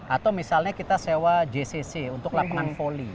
atau misalnya kita sewa jcc untuk lapangan voli